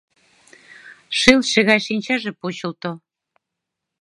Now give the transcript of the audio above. Шелше гай шинчаже почылто.